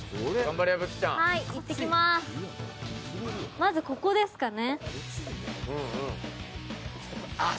まずここですかね。